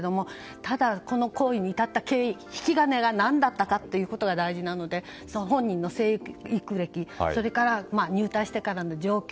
ただ、この行為に至った経緯引き金がなんだったかというところが大事なので本人の成育歴それから入隊してからの状況